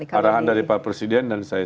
arahan dari pak presiden dan saya